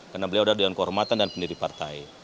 karena beliau ada di dalam kehormatan dan pendiri partai